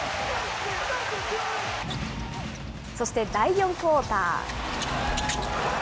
そして、第４クオーター。